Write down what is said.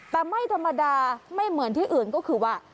แต่ไม่ธรรมดาไม่เหมือนที่อื่นก็คือว่า